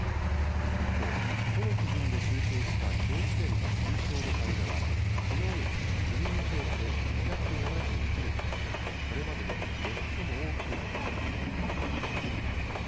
一方、都の基準で集計したきょう時点の重症の患者はきのうより９人増えて２７７人でこれまでで最も多くなりました。